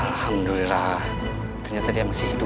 alhamdulillah ternyata dia masih hidup